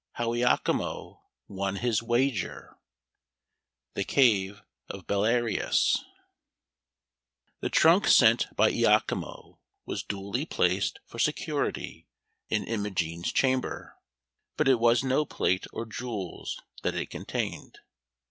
How Iachimo won his Wager The trunk sent by Iachimo was duly placed for security in Imogen's chamber, but it was no plate or jewels that it contained.